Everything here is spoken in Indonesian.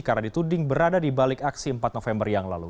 karena dituding berada di balik aksi empat november yang lalu